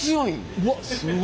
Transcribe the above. うわっ。